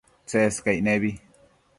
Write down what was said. Tsescaic nebi